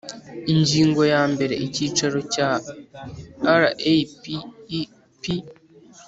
ingingo ya mbere icyicaro cya rapep